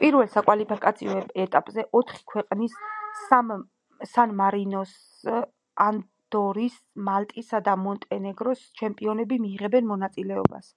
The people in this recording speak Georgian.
პირველ საკვალიფიკაციო ეტაპზე ოთხი ქვეყნის, სან-მარინოს, ანდორის, მალტის და მონტენეგროს ჩემპიონები მიიღებენ მონაწილეობას.